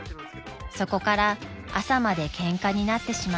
［そこから朝までケンカになってしまいました］